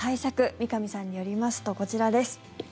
三上さんによりますとこちらです。